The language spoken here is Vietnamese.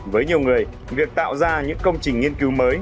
với nhiều người việc tạo ra những công trình nghiên cứu mới